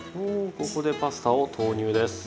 おここでパスタを投入です。